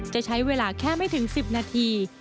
จะใช้เวลาแค่ไม่ถึง๑๐นาที